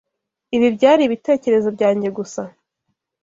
Ibi byari ibitekerezo byanjye gusa?